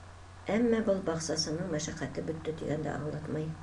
Әммә был баҡсасының мәшәҡәте бөттө тигәнде аңлатмай.